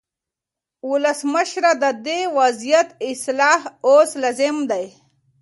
ولسمشره، د دې وضعیت اصلاح اوس لازم دی.